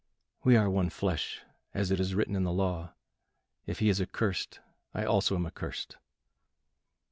We are one flesh, as it is written in the law; if he is accursed, I also am accursed."